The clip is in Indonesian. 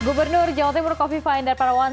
gubernur jawa timur coffee finder parawan